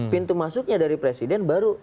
pintu masuknya dari presiden baru